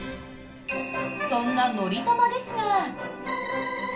そんな「のりたま」ですが。